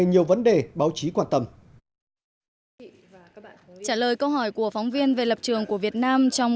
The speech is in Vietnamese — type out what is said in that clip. nhiều vấn đề báo chí quan tâm trả lời câu hỏi của phóng viên về lập trường của việt nam trong